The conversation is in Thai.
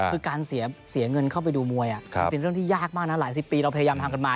คือการเสียเงินเข้าไปดูมวยเป็นเรื่องที่ยากมากนะหลายสิบปีเราพยายามทำกันมา